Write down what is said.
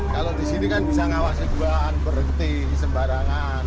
kalau di sini kan bisa ngawasi duaan berhenti sembarangan